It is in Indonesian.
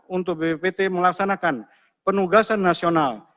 untuk bppt melaksanakan penugasan nasional